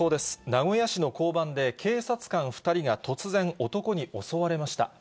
名古屋市の交番で、警察官２人が突然男に襲われました。